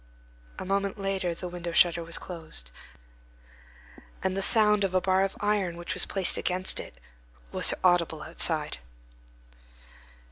A moment later, the window shutter was closed, and the sound of a bar of iron which was placed against it was audible outside.